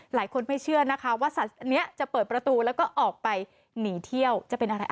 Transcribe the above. หลายคนไม่เชื่อนะคะว่าสัตว์นี้จะเปิดประตูแล้วก็ออกไปหนีเที่ยวจะเป็นอะไร